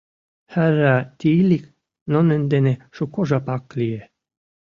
Хӓрра Тиилик нунын дене шуко жапак лие.